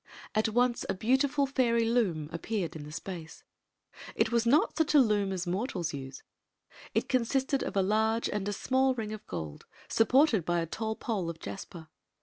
At once a beau tiful fairy loom appeared in the space. It was not such a loom as mortals use. It cmmsted oS a large and a mall ring of gdd» suf^xMrt^ by a tall pole of jasper.